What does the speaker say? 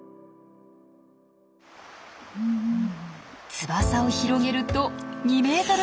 翼を広げると２ｍ近く。